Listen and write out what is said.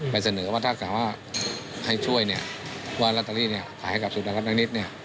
ไปเสนอว่าถ้าขอให้ช่วยว่าลอตเตอรี่ขายให้กับสุดรักษณะนักนิด